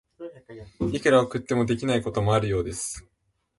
いくら送っても、できないこともあるようです。